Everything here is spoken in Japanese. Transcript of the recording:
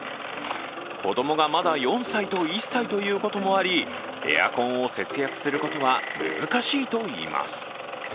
子供がまだ４歳と１歳ということもあり、エアコンを節約することは難しいといいます。